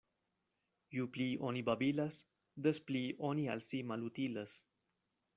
Ju pli oni babilas, des pli oni al si malutilas.